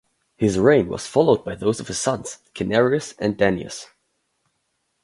His reign was followed by those of his sons Kinarius and Danius.